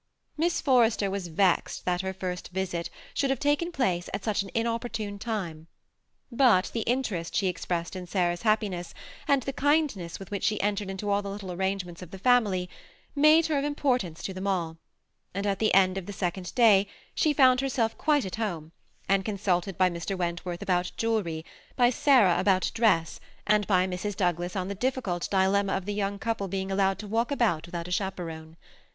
Miss Forrester was vexed that her first visit should have taken place at such an inopportune time ; but the interest she expressed in Sarah's happiness, and the kindness with which she entered into all the little ar rangements of the family, made her of importance to them all, and at the end of the second day she found herself quite at home, and consulted by Mr. Wentworth about jewelry, by Sarah about dress, and by Mrs. Doug las on the difficult dUemma of the young couple being allowed to walk about without a chaperone.